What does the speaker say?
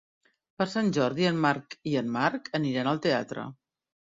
Per Sant Jordi en Marc i en Marc aniran al teatre.